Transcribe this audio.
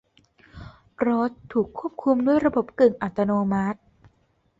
รถถูกควบคุมด้วยระบบกึ่งอัตโนมัติ